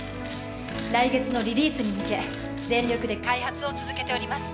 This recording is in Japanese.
来月のリリースに向け全力で開発を続けております